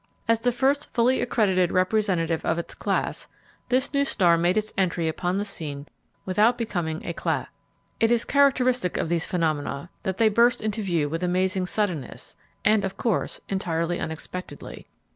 As the first fully accredited representative of its class, this new star made its entry upon the scene with becoming éclat. It is characteristic of these phenomena that they burst into view with amazing suddenness, and, of course, entirely unexpectedly.